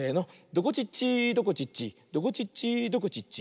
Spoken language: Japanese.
「どこちっちどこちっちどこちっちどこちっち」